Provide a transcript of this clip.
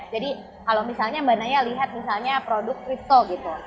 jadi kalau misalnya mbak naya lihat misalnya produk crypto gitu